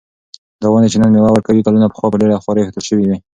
دا ونې چې نن مېوه ورکوي، کلونه پخوا په ډېره خواري ایښودل شوې وې.